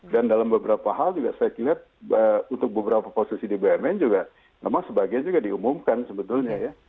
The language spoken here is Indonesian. dan dalam beberapa hal juga saya kira untuk beberapa posisi di bumn juga nama sebagian juga diumumkan sebetulnya ya